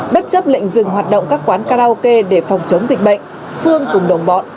bất chấp lệnh dừng hoạt động các quán karaoke để phòng chống dịch bệnh phương cùng đồng bọn